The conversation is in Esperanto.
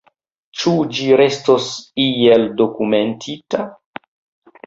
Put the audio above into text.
Ĉu ĝi restos iel dokumentita?